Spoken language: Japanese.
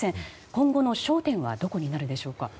今後の焦点はどこになるでしょうか。